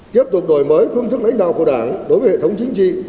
tiếp tục đổi mới phương thức lãnh đạo của đảng đối với hệ thống chính trị